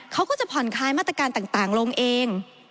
เขาก็จะผ่อนคลายมาตรการต่างลงเอง